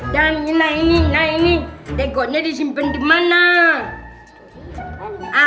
dan ini nah ini tegoknya disimpen dimana